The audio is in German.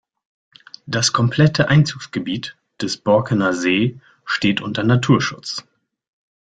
Das komplette Einzugsgebiet des Borkener See steht unter Naturschutz.